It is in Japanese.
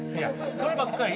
そればっかり。